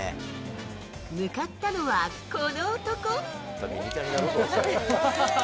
向かったのはこの男。